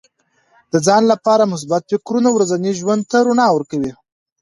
د ځان لپاره مثبت فکرونه ورځني ژوند ته رڼا ورکوي.